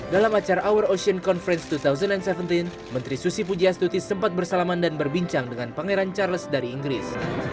dalam acara our ocean conference dua ribu tujuh belas menteri susi pujiastuti sempat bersalaman dan berbincang dengan pangeran charles dari inggris